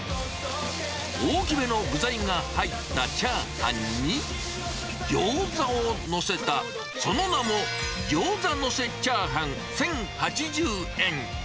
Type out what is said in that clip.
大きめの具材が入ったチャーハンに、ギョーザを載せた、その名も、ギョウザ乗せチャーハン、１０８０円。